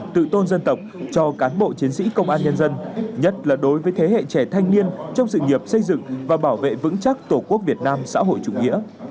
tự tôn dân tộc cho cán bộ chiến sĩ công an nhân dân nhất là đối với thế hệ trẻ thanh niên trong sự nghiệp xây dựng và bảo vệ vững chắc tổ quốc việt nam xã hội chủ nghĩa